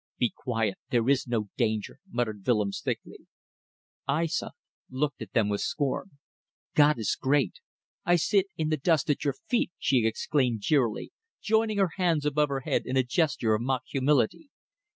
"Be quiet. There is no danger," muttered Willems, thickly. Aissa looked at them with scorn. "God is great! I sit in the dust at your feet," she exclaimed jeeringly, joining her hands above her head in a gesture of mock humility.